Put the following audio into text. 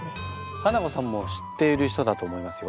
ハナコさんも知っている人だと思いますよ。